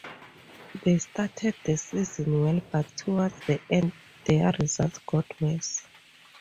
They started the season well but toward the end their results got worse.